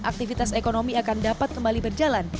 aktivitas ekonomi akan dapat kembali berjalan